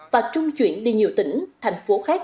và trung chuyển đi nhiều tỉnh thành phố khác